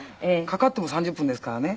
かかっても３０分ですからね。